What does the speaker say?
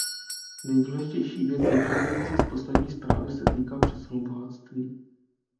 Nejdůležitější věc vyplývající z poslední zprávy se týká přesunu bohatství.